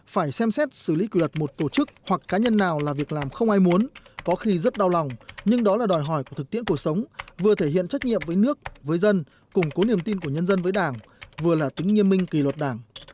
phải xem xét xử lý kỷ luật một tổ chức hoặc cá nhân nào là việc làm không ai muốn có khi rất đau lòng nhưng đó là đòi hỏi của thực tiễn cuộc sống vừa thể hiện trách nhiệm với nước với dân củng cố niềm tin của nhân dân với đảng vừa là tính nghiêm minh kỳ luật đảng